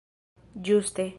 ĝuste